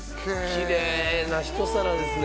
きれいな一皿ですね